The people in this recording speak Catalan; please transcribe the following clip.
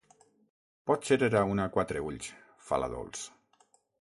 Potser era una quatre-ulls, fa la Dols.